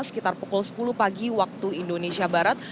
sekitar pukul sepuluh pagi waktu indonesia barat